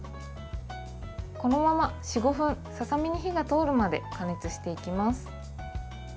このまま４５分ささみに火が通るまで加熱していきます。